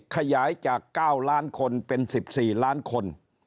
ขยายจาก๙๐๐๐๐๐๐คนเป็น๑๔๐๐๐๐๐๐คน